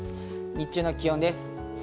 日中の気温です。